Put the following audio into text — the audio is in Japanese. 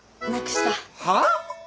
はあ！？